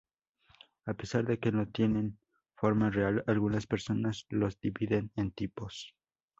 A pesar de que no tienen forma real, algunas personas los dividen en tipos.